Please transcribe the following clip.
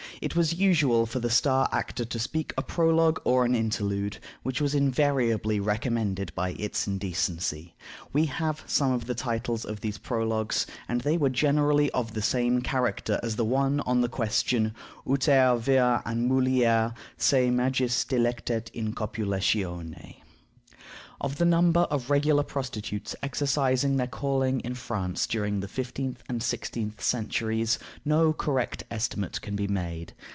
It was usual for the star actor to speak a prologue or an interlude, which was invariably recommended by its indecency. We have some of the titles of these prologues, and they were generally of the same character as the one on the question, Uter vir an mulier se magis delectet in copulatione. Of the number of regular prostitutes exercising their calling in France during the fifteenth and sixteenth centuries no correct estimate can be made.